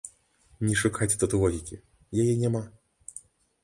Не шукайце тут логікі, яе няма.